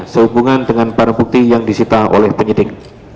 sehubungan dengan barang bukti yang disita oleh penyidik